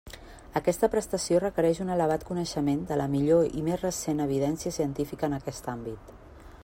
Aquesta prestació requereix un elevat coneixement de la millor i més recent evidència científica en aquest àmbit.